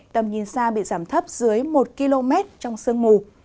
tầm nhìn xa bị giảm thấp dưới một km trong sương mù